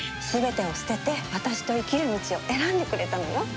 全てを捨てて私と生きる道を選んでくれたのよ。